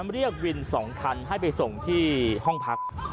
เรียกวิน๒คันให้ไปส่งที่ห้องพัก